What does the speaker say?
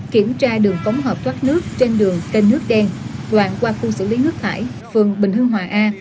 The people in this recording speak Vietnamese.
kiểm tra đường cống hộp thoát nước trên đường kênh nước đen loạn qua khu xử lý nước thải phường bình hương hòa a